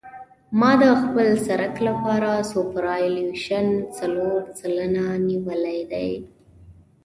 ما د خپل سرک لپاره سوپرایلیویشن څلور سلنه نیولی دی